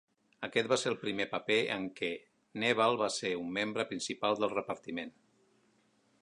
Aquest va ser el primer paper en què Neval va ser un membre principal del repartiment.